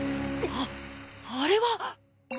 ああれは！？